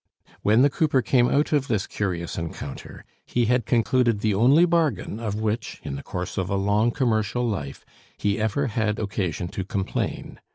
When the cooper came out of this curious encounter he had concluded the only bargain of which in the course of a long commercial life he ever had occasion to complain.